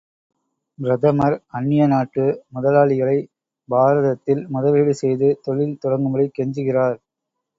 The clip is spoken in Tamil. பிரதமர் அந்நிய நாட்டு முதலாளிகளை பாரதத்தில் முதலீடு செய்து தொழில் தொடங்கும்படி கெஞ்சுகிறார்!